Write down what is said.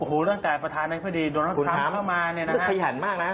อุ้โหตั้งแต่ประธานชนัดภัฒนีโดรนักทางเข้ามา